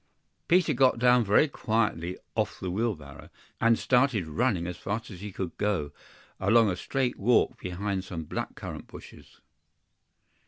PETER got down very quietly off the wheelbarrow, and started running as fast as he could go, along a straight walk behind some black currant bushes.